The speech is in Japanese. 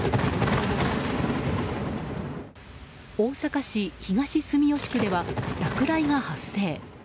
大阪市東住吉区では落雷が発生。